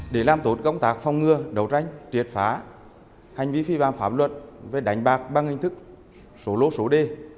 để làm tốt công tác phong ngừa đầu tranh triệt phá hành vi phi phạm phạm luận về đánh bạc bằng hình thức số lô số đề